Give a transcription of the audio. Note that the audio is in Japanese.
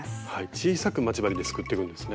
小さく待ち針ですくっていくんですね。